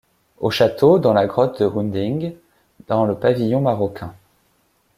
Au château, dans la grotte de Hunding, dans le pavillon marocain.